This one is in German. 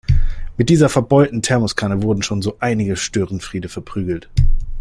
Mit dieser verbeulten Thermoskanne wurden schon so einige Störenfriede verprügelt.